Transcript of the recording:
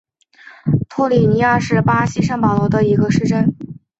托里尼亚是巴西圣保罗州的一个市镇。